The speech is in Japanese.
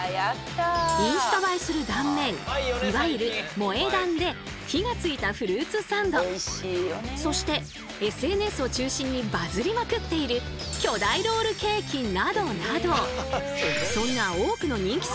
インスタ映えする断面いわゆる「萌え断」で火がついたそしてＳＮＳを中心にバズりまくっている巨大ロールケーキなどなど。